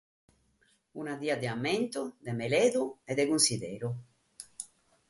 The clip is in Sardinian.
Una die de ammentu, de meledu e de cunsideru.